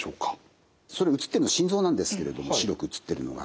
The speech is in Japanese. それ写ってるの心臓なんですけれども白く写ってるのが。